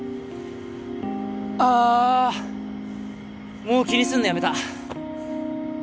あもう気にすんのやめた！